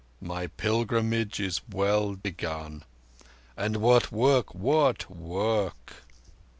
My pilgrimage is well begun. And what work! What work!"